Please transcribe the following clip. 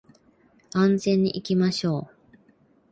安全に行きましょう